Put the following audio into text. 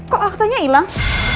kok aktenya hilang